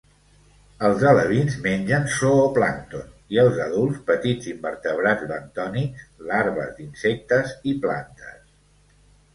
Els alevins mengen zooplàncton i els adults petits invertebrats bentònics, larves d'insectes i plantes.